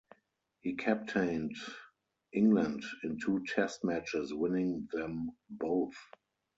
He captained England in two Test matches, winning them both.